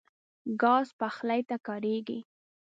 ګاز پخلی ته کارېږي.